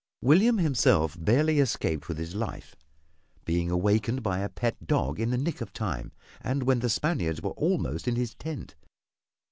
William himself barely escaped with his life, being awakened by a pet dog in the nick of time, and when the Spaniards were almost in his tent.